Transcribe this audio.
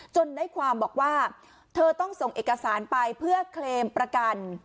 ได้ความบอกว่าเธอต้องส่งเอกสารไปเพื่อเคลมประกัน